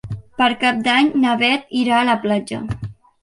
Per Cap d'Any na Beth irà a la platja.